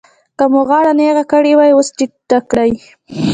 که مو غاړه نېغه کړې وي اوس ټیټه کړئ.